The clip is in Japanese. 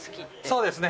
そうですね。